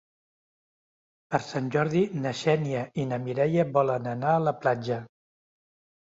Per Sant Jordi na Xènia i na Mireia volen anar a la platja.